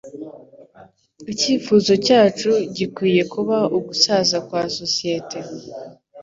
Icyifuzo cyacu gikwiye kuba ugusaza kwa societe.